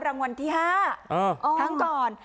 รางวัลที่๕ครั้งก่อน